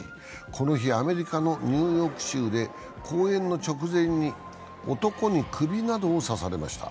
この日、アメリカのニューヨーク州で講演の直前に男に首などを刺されました。